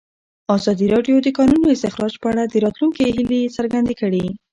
ازادي راډیو د د کانونو استخراج په اړه د راتلونکي هیلې څرګندې کړې.